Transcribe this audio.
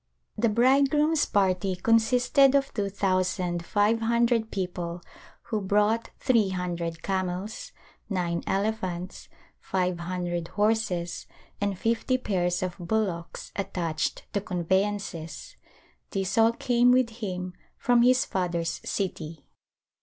The bridegroom's party consisted of two thousand five hundred people who brought three hundred camels, nine elephants, five hundred horses and fifty pairs of bullocks attached to conveyances. These all came with him from his father's city.